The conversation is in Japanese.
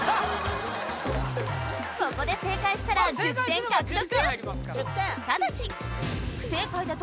ここで正解したら１０点獲得！